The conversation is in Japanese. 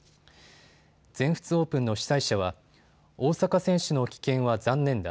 全仏オープンの主催者は大坂選手の棄権は残念だ。